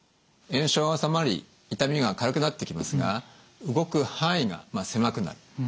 炎症が治まり痛みが軽くなってきますが動く範囲が狭くなる。